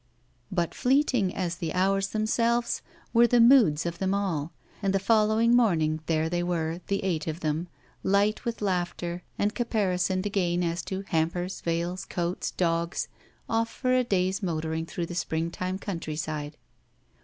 But fleeting as the hours themselves were the moods of them all, and the following morning there they were, the eight of them, light with laughter and caparisoned again as to hampers, veils, coats, dogs, ofiE for a day's motoring through the spring time coimtryside.